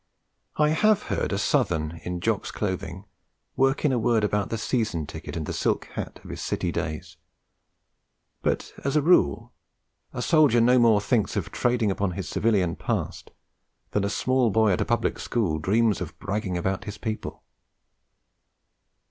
I have heard a Southern in Jock's clothing work in a word about the season ticket and the 'silk hat' of his City days; but as a rule a soldier no more thinks of trading upon his civilian past than a small boy at a Public School dreams of bragging about his people.